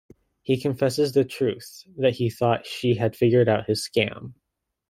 He confesses the truth, that he thought she had figured out his scam.